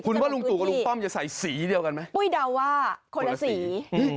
คุณว่าลุงตู่กับลุงป้อมจะใส่สีเดียวกันไหมปุ้ยเดาว่าคนละสี